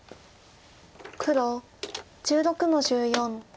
黒１６の十四。